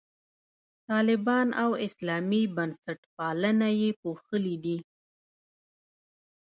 طالبان او اسلامي بنسټپالنه یې پوښلي دي.